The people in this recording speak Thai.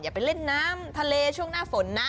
ไปเล่นน้ำทะเลช่วงหน้าฝนนะ